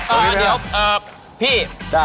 เออเดี๋ยวพี่